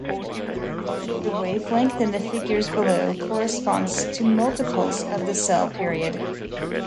The wavelength in the figures below, corresponds to multiples of the cell period.